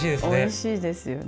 おいしいですよね。